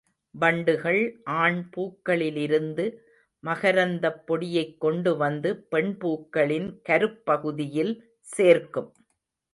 வண்டுகள் ஆண் பூக்களிலிருந்து மகரந்தப் பொடியைக் கொண்டு வந்து பெண் பூக்களின் கருப் பகுதியில் சேர்க்கும்.